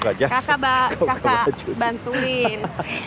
oke sini kakak bantuin